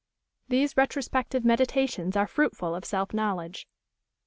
These retrospective meditations are fruitful of self knowledge.